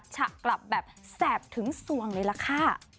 ฉะกลับแบบแสบถึงส่วงเลยล่ะค่ะ